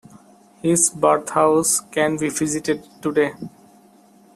His birthhouse can be visited today.